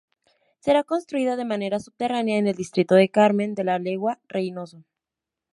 Será construida de manera subterránea en el distrito de Carmen de La Legua-Reynoso.